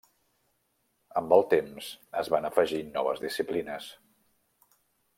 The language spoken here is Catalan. Amb el temps es van afegir noves disciplines.